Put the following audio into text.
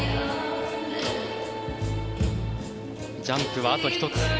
ジャンプはあと１つ。